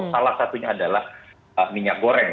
salah satunya adalah minyak goreng